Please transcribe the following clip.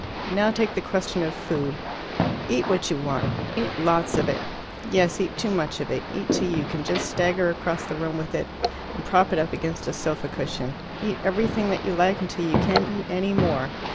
Now take the question of food. Eat what you want. Eat lots of it. Yes, eat too much of it. Eat till you can just stagger across the room with it and prop it up against a sofa cushion. Eat everything that you like until you can't eat any more.